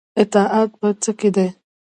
اطاعت په څه کې دی؟